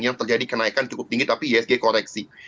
yang terjadi kenaikan cukup tinggi tapi isg koreksi